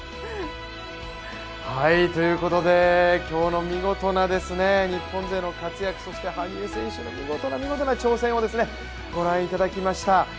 今日の見事な日本勢の活躍、そして羽生選手の見事な見事な挑戦を御覧いただきました。